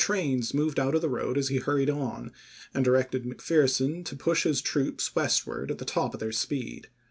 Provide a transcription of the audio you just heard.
trains moved out of the road as he hurried on, and directed McPherson to push his troops west ward at the top of their speed.